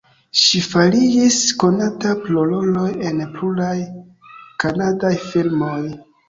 Ŝi fariĝis konata pro roloj en pluraj kanadaj filmoj.